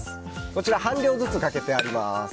半量ずつかけてあります。